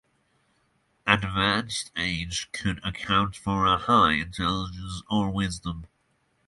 Advanced age could account for a high Intelligence or Wisdom.